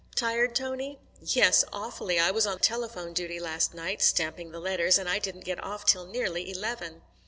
"Tired, Tony?" "Yes, awfully. I was on telephone duty last night, stamping the letters, and I didn't get off till nearly eleven."